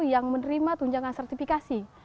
yang menerima tunjangan sertifikasi